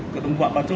ketemu apa tuh